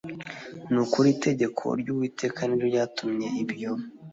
Ni ukuri itegeko ry Uwiteka ni ryo ryatumye ibyo